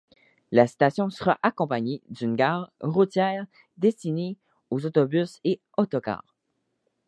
La station sera accompagnée d'une gare routière destinée aux autobus et autocars.